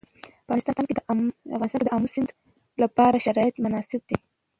په افغانستان کې د آمو سیند لپاره شرایط مناسب دي.